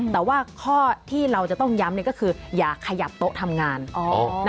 แต่ว่าข้อที่เราจะต้องย้ำก็คืออย่าขยับโต๊ะทำงาน